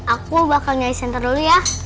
aku bakal nyari senter dulu ya